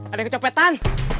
ada yang kecopetan